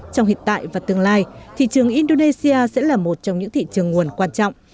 trong hiện tại và tương lai thị trường indonesia sẽ là một trong những thị trường nguồn quan trọng